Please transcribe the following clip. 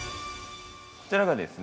◆こちらがですね